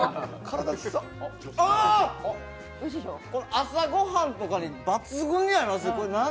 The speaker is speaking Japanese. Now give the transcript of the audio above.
朝ご飯とかに抜群に合います。